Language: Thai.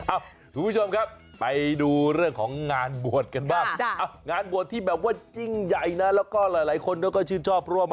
อ้าวผู้ชมครับไปดูเรื่องของงานบ่วนกันแบบ